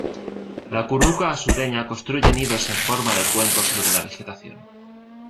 La curruca sureña construye nidos en forma de cuenco sobre la vegetación.